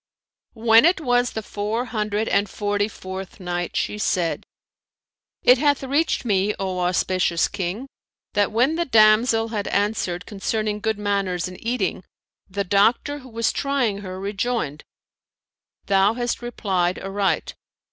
When it was the Four Hundred and Forty fourth Night, She said, It hath reached me, O auspicious King, that when the damsel had answered concerning good manners in eating, the doctor who was trying her, rejoined, "Thou hast replied aright.